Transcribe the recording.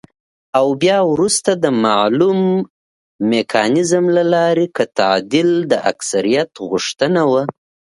او بيا وروسته د مالوم ميکانيزم له لارې که تعديل د اکثريت غوښتنه وه،